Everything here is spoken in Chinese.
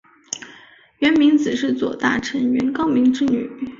源明子是左大臣源高明之女。